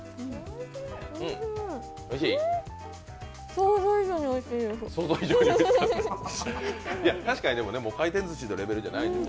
想像以上においしいです。